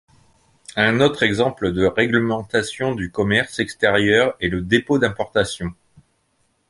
Un autre exemple de réglementation du commerce extérieur est le dépôt d'importation.